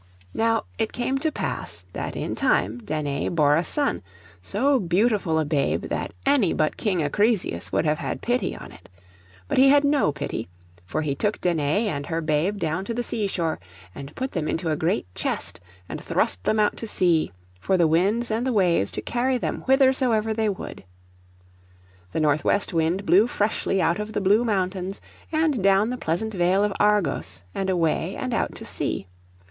Now it came to pass that in time Danae bore a son; so beautiful a babe that any but King Acrisius would have had pity on it. But he had no pity; for he took Danae and her babe down to the seashore, and put them into a great chest and thrust them out to sea, for the winds and the waves to carry them whithersoever they would. The north west wind blew freshly out of the blue mountains, and down the pleasant vale of Argos, and away and out to sea.